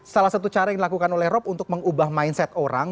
salah satu cara yang dilakukan oleh rop untuk mengubah mindset orang